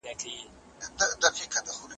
کوم ډول څېړنه ډېره ګټوره ده؟